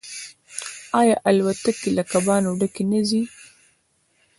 آیا الوتکې له کبانو ډکې نه ځي؟